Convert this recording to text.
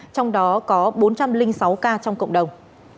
trong đó có bốn trăm linh sáu ca trong cộng đồng